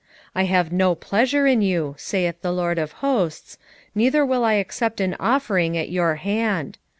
I have no pleasure in you, saith the LORD of hosts, neither will I accept an offering at your hand.